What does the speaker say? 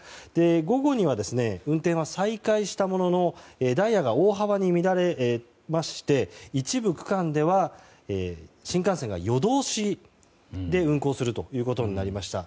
午後には運転は再開したもののダイヤが大幅に乱れまして一部区間では新幹線が夜通しで運行するということになりました。